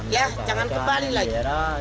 ya jangan kembali lagi